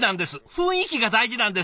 雰囲気が大事なんです！